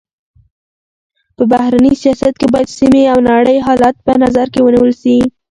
په بهرني سیاست کي باید سيمي او نړۍ حالت په نظر کي ونیول سي.